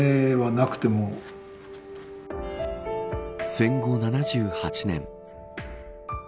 戦後７８年。